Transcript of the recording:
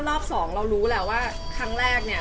รอบสองเรารู้แหละว่าครั้งแรกเนี่ย